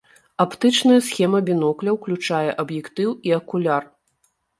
Аптычная схема бінокля ўключае аб'ектыў і акуляр.